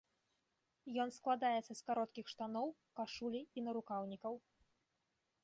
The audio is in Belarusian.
Ён складаецца з кароткіх штаноў, кашулі і нарукаўнікаў.